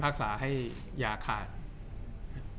จากความไม่เข้าจันทร์ของผู้ใหญ่ของพ่อกับแม่